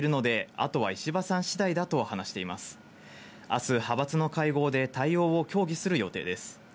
あす、派閥の会合で対応を協議する予定です。